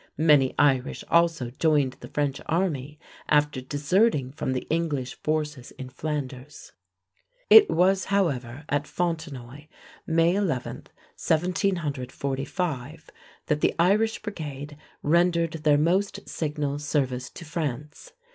Many Irish also joined the French army after deserting from the English forces in Flanders. It was, however, at Fontenoy, May 11, 1745, that the Irish Brigade rendered their most signal service to France.